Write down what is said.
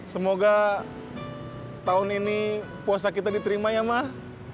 semoga tahun ini puasa kita diterima ya mah